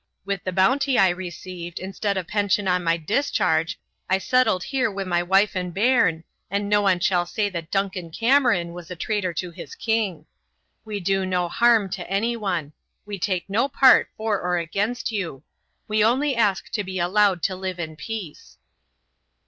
With the bounty I received instead o' pension on my discharge I settled here wi' my wife and bairn, and no one shall say that Duncan Cameron was a traitor to his king. We do no harm to anyone; we tak no part for or against you; we only ask to be allowed to live in peace."